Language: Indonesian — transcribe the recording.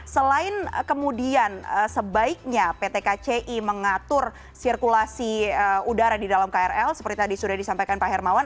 selain kemudian sebaiknya pt kci mengatur sirkulasi udara di dalam krl seperti tadi sudah disampaikan pak hermawan